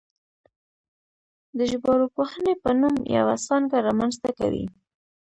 د ژبارواپوهنې په نوم یوه څانګه رامنځته کوي